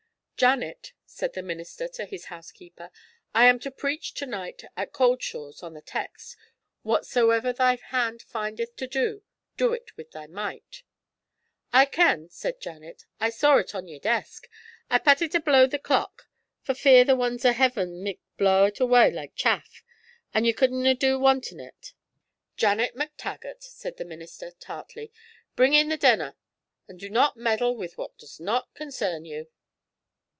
'Janet,' said the minister to his housekeeper, 'I am to preach to night at Cauldshaws on the text, "Whatsoever thy hand findeth to do, do it with thy might."' 'I ken,' said Janet, 'I saw it on yer desk. I pat it ablow the clock for fear the wun's o' heeven micht blaw it awa' like chaff, an' you couldna do wantin' it!' 'Janet MacTaggart,' said the minister, tartly, 'bring in the denner, and do not meddle with what does not concern you.'